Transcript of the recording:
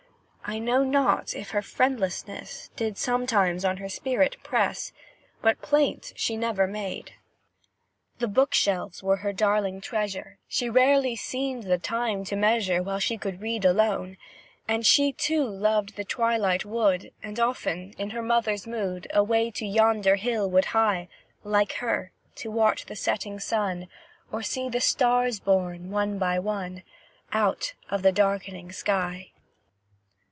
I know not if her friendlessness Did sometimes on her spirit press, But plaint she never made. The book shelves were her darling treasure, She rarely seemed the time to measure While she could read alone. And she too loved the twilight wood And often, in her mother's mood, Away to yonder hill would hie, Like her, to watch the setting sun, Or see the stars born, one by one, Out of the darkening sky.